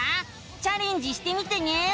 チャレンジしてみてね！